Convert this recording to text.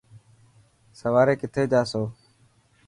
سواري ڪٿي جاسو.